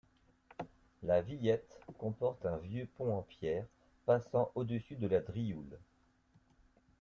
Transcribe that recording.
La Villette comporte un vieux pont en pierre passant au-dessus de la Drioule.